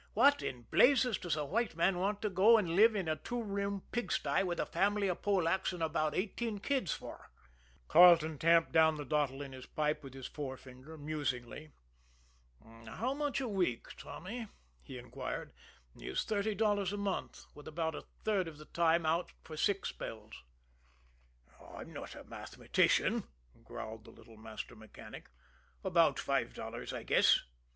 What in blazes does a white man want to go and live in a two room pigsty, with a family of Polacks and about eighteen kids, for?" Carleton tamped down the dottle in his pipe with his forefinger musingly. "How much a week, Tommy," he inquired, "is thirty dollars a month, with about a third of the time out for sick spells?" "I'm not a mathematician," growled the little master mechanic. "About five dollars, I guess."